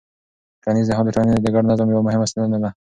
ټولنیز نهاد د ټولنې د ګډ نظم یوه مهمه ستنه ده.